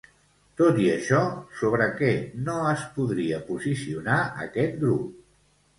Tot i això, sobre què no es podria posicionar aquest grup?